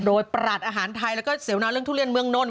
โดยประหลัดอาหารไทยแล้วก็เสวนาเรื่องทุเรียนเมืองนนท